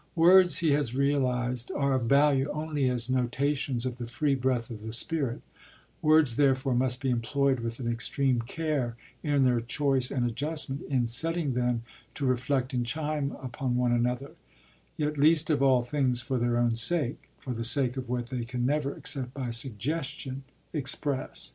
Words, he has realised, are of value only as notations of the free breath of the spirit; words, therefore, must be employed with an extreme care in their choice and adjustment, in setting them to reflect and chime upon one another; yet least of all things for their own sake, for the sake of what they can never, except by suggestion, express.